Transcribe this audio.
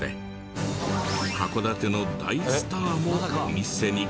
函館の大スターもお店に！